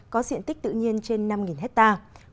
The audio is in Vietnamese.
có diện tích tự nhiên trên năm hectare